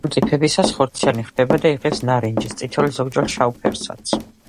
მომწიფებისას ხორციანი ხდება და იღებს ნარინჯის, წითელ, ზოგჯერ შავ ფერსაც.